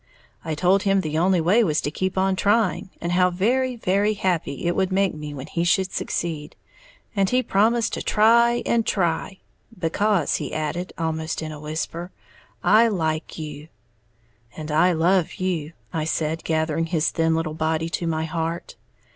I told him the only way was to keep on trying, and how very, very happy it would make me when he should succeed; and he promised to try and try, "because," he added, almost in a whisper, "I like you." "And I love you," I said, gathering his thin little body to my heart.